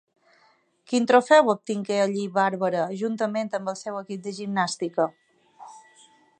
Quin trofeu obtingué allí Bárbara juntament amb el seu equip de gimnàstica?